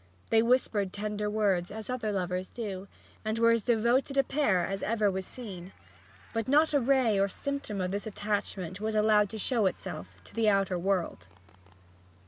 They whispered tender words as other lovers do, and were as devoted a pair as ever was seen. But not a ray or symptom of this attachment was allowed to show itself to the outer world.